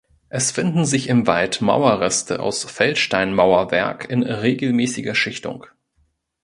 Es finden sich im Wald Mauerreste aus Feldsteinmauerwerk in regelmäßiger Schichtung.